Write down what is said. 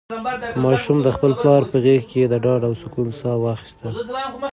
ماشوم د خپل پلار په غېږ کې د ډاډ او سکون ساه واخیسته.